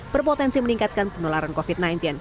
berpotensi meningkatkan penularan covid sembilan belas